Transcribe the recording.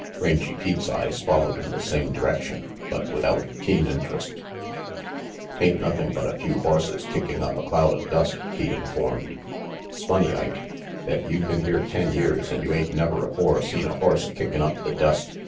Rangy Pete's eyes followed in the same direction, but without keen interest. 'Tain't nothing but a few horses kicking up a cloud of dust," Pete informed. " 'Sfunny, Ike, that you been here ten years and you ain't never afore seen a horse kickin' up the dust.